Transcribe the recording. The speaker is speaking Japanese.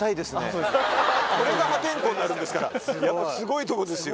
これが破天荒になるんですからやっぱすごいとこですよ。